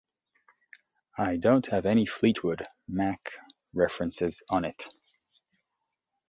I don't have any Fleetwood Mac references on it.